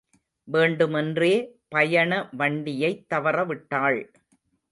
வேண்டுமென்றே பயண வண்டியைத் தவறவிட்டாள்.